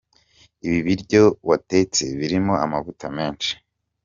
Ibi biryo watetse birimo amavuta menshi.